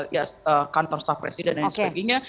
ya kantor staff presiden dan sebagainya